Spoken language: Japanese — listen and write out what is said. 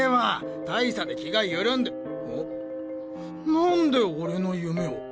何で俺の夢を？